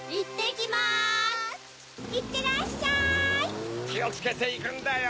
きをつけていくんだよ。